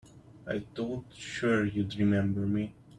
I thought sure you'd remember me.